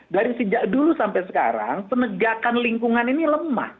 dari sejak dulu sampai sekarang penegakan lingkungan ini lemah